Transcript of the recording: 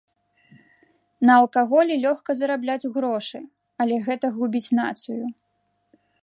На алкаголі лёгка зарабляць грошы, але гэта губіць нацыю.